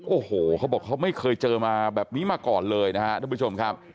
โอ้โหเขาบอกเขาไม่เคยเจอมาแบบนี้มาก่อนเลยนะครับทุกผู้ชมครับ